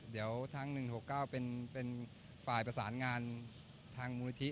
เดี๋ยวทาง๑๖๙เป็นฝ่ายประสานงานทางมูลนิธิ